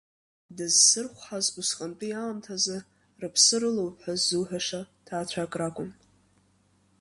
Дызсырхәҳаз усҟантәи аамҭазы рыԥсы рылоуп ҳәа ззуҳәаша ҭаацәак ракәын.